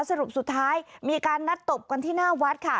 สรุปสุดท้ายมีการนัดตบกันที่หน้าวัดค่ะ